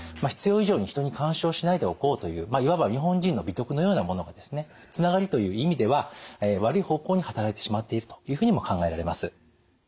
必要以上に人に干渉しないでおこうといういわば日本人の美徳のようなものがですねつながりという意味では悪い方向に働いてしまっているというふうにも考えられます。